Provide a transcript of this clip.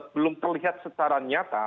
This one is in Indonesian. belum terlihat secara nyata